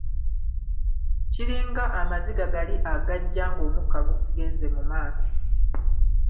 Kiringa amaziga gali agajja ng'omukka gukugenze mu maaso.